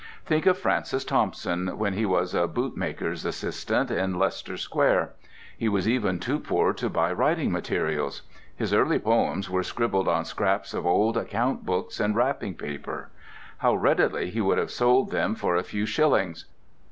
Think of Francis Thompson, when he was a bootmaker's assistant in Leicester Square. He was even too poor to buy writing materials. His early poems were scribbled on scraps of old account books and wrapping paper. How readily he would have sold them for a few shillings.